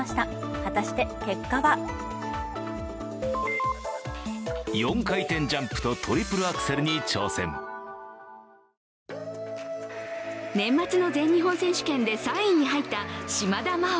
果たして、結果は年末の全日本選手権で３位に入った島田麻央。